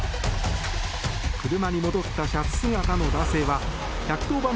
車に戻ったシャツ姿の男性は１１０番